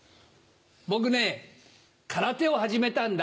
僕ね空手を始めたんだ。